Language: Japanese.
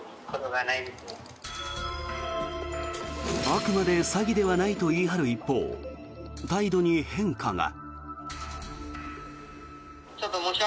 あくまで詐欺ではないと言い張る一方態度に変化が。